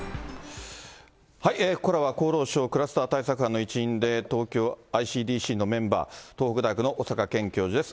ここからは厚労省クラスター対策班の一員で、東京ｉＣＤＣのメンバー、東北大学の小坂健教授です。